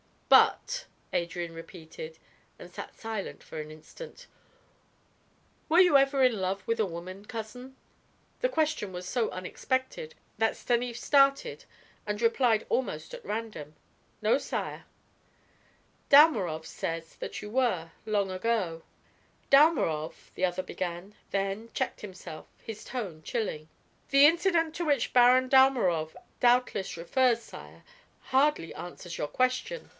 "'But' " Adrian repeated, and sat silent for an instant. "Were you ever in love with a woman, cousin?" The question was so unexpected that Stanief started and replied almost at random: "No, sire." "Dalmorov says that you were, long ago." "Dalmorov," the other began, then checked himself, his tone chilling. "The incident to which Baron Dalmorov doubtless refers, sire, hardly answers your question.